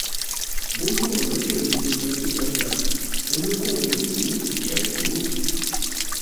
Bólú Ọ̀náṣèlú ni gbajúgbajà olókòwò ní Ìjẹ̀bú.